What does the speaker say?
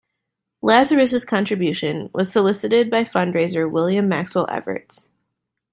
Lazarus's contribution was solicited by fundraiser William Maxwell Evarts.